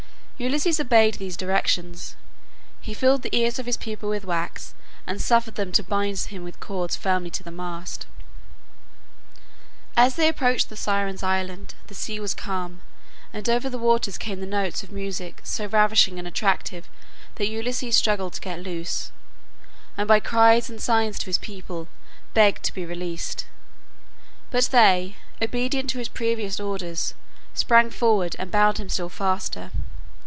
Ulysses obeyed these directions. He filled the ears of his people with wax, and suffered them to bind him with cords firmly to the mast. As they approached the Sirens' island, the sea was calm, and over the waters came the notes of music so ravishing and attractive that Ulysses struggled to get loose, and by cries and signs to his people begged to be released; but they, obedient to his previous orders, sprang forward and bound him still faster.